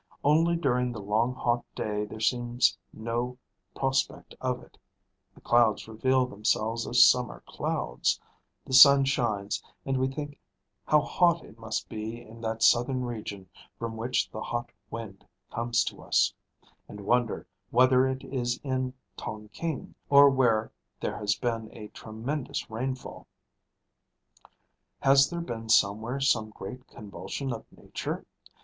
Only during the long hot day there seems no prospect of it; the clouds reveal themselves as summer clouds; the sun shines; and we think how hot it must be in that southern region from which the hot wind comes to us, and wonder whether it is in Tongking, or where, there has been a tremendous rainfall. Has there been somewhere some great convulsion of nature?